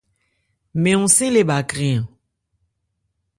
Mɛn hɔn-sɛ́n le bha krɛn an.